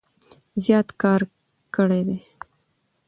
زيات کار کړي دی